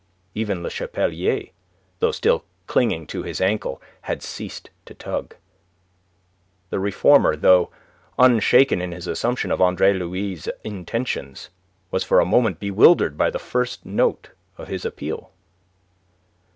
Even Le Chapelier, though still clinging to his ankle, had ceased to tug. The reformer, though unshaken in his assumption of Andre Louis' intentions, was for a moment bewildered by the first note of his appeal.